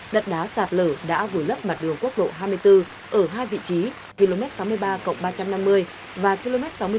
đất đá sạt lở đã vừa lấp mặt đường quốc lộ hai mươi bốn ở hai vị trí